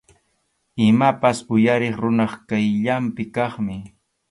Imapas uyariq runap qayllanpi kaqmi.